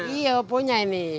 iya punya ini